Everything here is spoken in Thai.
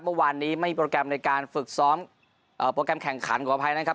เมื่อวานนี้ไม่มีโปรแกรมในการฝึกซ้อมโปรแกรมแข่งขันขออภัยนะครับ